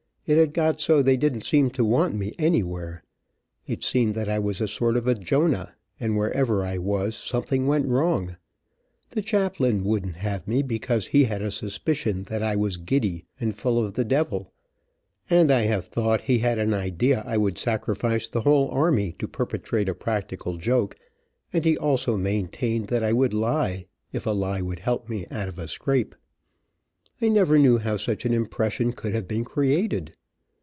It had got so they didn't seem to want me anywhere. It seemed that I was a sort of a Jonah, and wherever I was, something went wrong. The chaplain wouldn't have me, because he had a suspicion that I was giddy, and full of the devil, and I have thought he had an idea I would sacrifice the whole army to perpetrate a practical joke, and he also maintained that I would lie, if a lie would help me out of a scrape. I never knew how such an impression could have been created.